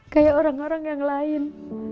kayak orang orang yang lain